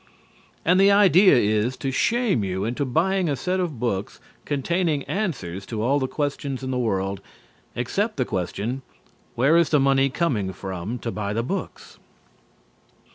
and the idea is to shame you into buying a set of books containing answers to all the questions in the world except the question "Where is the money coming from to buy the books?"